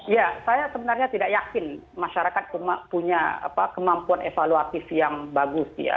ya saya sebenarnya tidak yakin masyarakat punya kemampuan evaluatif yang bagus ya